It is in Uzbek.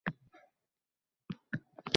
O‘tirib, bayonnoma yozishdi.